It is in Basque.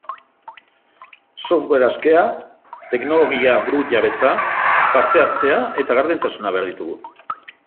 Software askea, teknologia burujabetza, parte-hartzea eta gardentasuna behar ditugu.